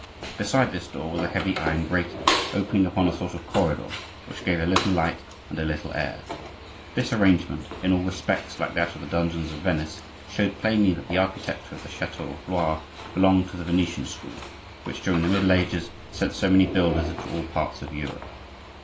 Beside this door was a heavy iron grating, opening upon a sort of corridor, which gave a little light and a little air. This arrangement, in all respects like that of the dungeons of Venice, showed plainly that the architecture of the chateau of Blois belonged to the Venetian school, which during the Middle Ages, sent so many builders into all parts of Europe.